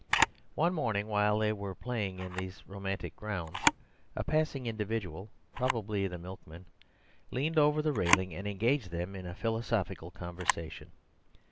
One morning while they were at play in these romantic grounds, a passing individual, probably the milkman, leaned over the railing and engaged them in philosophical conversation.